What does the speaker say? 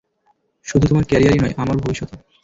শুধু তোমার ক্যারিয়ারই নয়, আমার ভবিষ্যতও।